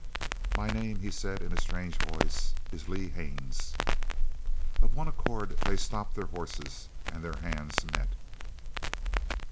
"My name," he said in a strange voice, "is Lee Haines." Of one accord they stopped their horses and their hands met.